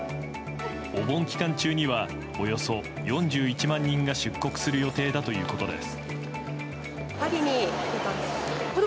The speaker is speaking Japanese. お盆期間中にはおよそ４１万人が出国する予定だということです。